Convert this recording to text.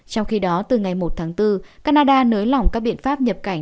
trong khi đó từ ngày một tháng bốn canada nới lỏng các biện pháp nhập cảnh